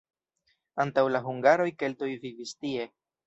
Antaŭ la hungaroj keltoj vivis tie.